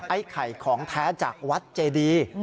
ไอ้ไข่ของแท้จากวัดเจดี